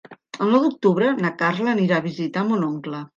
El nou d'octubre na Carla anirà a visitar mon oncle.